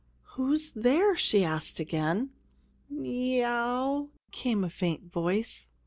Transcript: "Who's there?" she asked again. "Me ow!" came a faint voice.